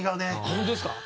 本当ですか？